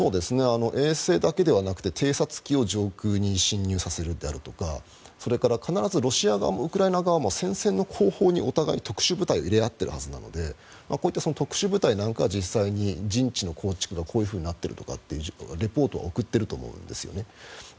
衛星だけではなくて偵察機を上空に侵入させるとか必ずロシア側もウクライナ側も戦線の後方にお互いに特殊部隊を入れ合っているはずなのでこういう特殊部隊なんかは実際に陣地の構築がこういうふうになっているというリポートを送っていると思うんですよね。